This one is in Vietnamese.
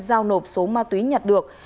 rào nộp số ma túy nhặt được